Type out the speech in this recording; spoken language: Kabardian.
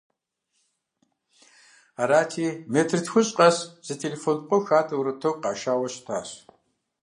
Арати, метр тхущӀ къэс зы телефон пкъо хатӀэурэ ток къашауэ щытащ.